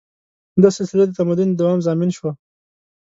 دا سلسله د تمدن د دوام ضامن شوه.